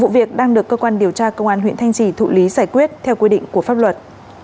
vụ việc đang được cơ quan điều tra công an huyện thanh trì thụ lý giải quyết theo quy định của pháp luật